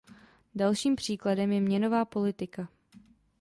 Dalším příkladem je měnová politika.